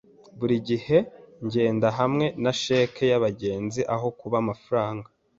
Buri gihe ngenda hamwe na cheque yabagenzi aho kuba amafaranga.